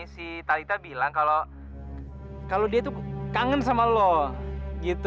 si talita bilang kalau kalau dia tuh kangen sama lo gitu